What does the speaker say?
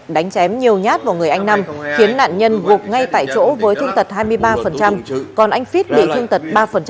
đánh chém nhiều nhát vào người anh nam khiến nạn nhân gục ngay tại chỗ với thương tật hai mươi ba còn anh phít bị thương tật ba